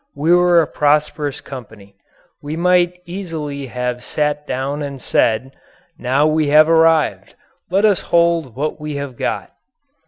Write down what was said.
We were a prosperous company. We might easily have sat down and said: "Now we have arrived. Let us hold what we have got."